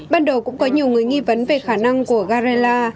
ban đầu cũng có nhiều người nghi vấn về khả năng của carrela